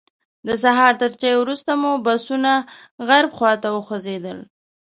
د سهار تر چایو وروسته مو بسونه غرب خواته وخوځېدل.